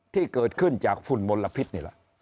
ที่เกิดขึ้นจากฝุ่นมลพิษนี่แหละ